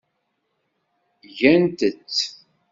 Gant-tt.